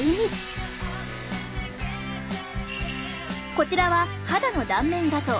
こちらは肌の断面画像。